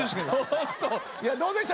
どうでした？